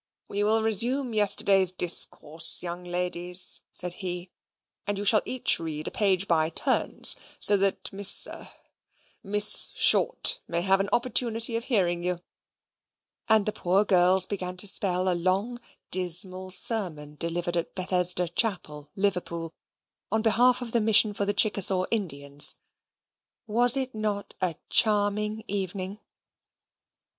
"We will resume yesterday's discourse, young ladies," said he, "and you shall each read a page by turns; so that Miss a Miss Short may have an opportunity of hearing you"; and the poor girls began to spell a long dismal sermon delivered at Bethesda Chapel, Liverpool, on behalf of the mission for the Chickasaw Indians. Was it not a charming evening?